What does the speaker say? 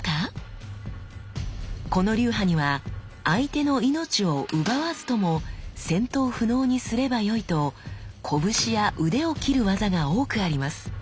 この流派には相手の命を奪わずとも戦闘不能にすればよいと拳や腕を斬る技が多くあります。